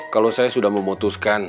kalau saya sudah memutuskan